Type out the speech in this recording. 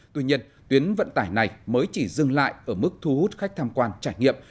tuy nhiên tuyến vận tải này mới chỉ dừng lại ở mức thu hút khách tham quan trải nghiệm